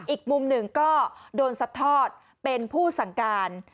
อีกมุมหนึ่งก็โดนสัดทอดเป็นผู้สั่งการ